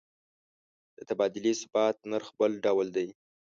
د تبادلې ثابت نرخ بل ډول دی.